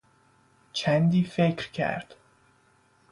چندی فکر کرد.